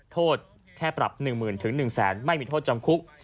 โทษแค่ปรับหนึ่งหมื่นถึงหนึ่งแสนไม่มีโทษจำคุก